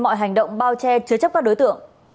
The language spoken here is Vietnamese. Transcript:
mọi hành động bao che chứa chấp các đối tượng